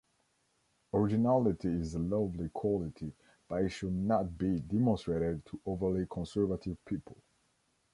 Originality is a lovely quality, but it should not be demonstrated to overly conservative people.